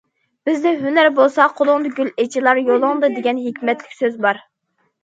بىزدە‹‹ ھۈنەر بولسا قولۇڭدا گۈل ئېچىلار يولۇڭدا›› دېگەن ھېكمەتلىك سۆز بار.